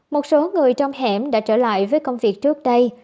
một số người trong hẻm đã trở lại với công việc trước đây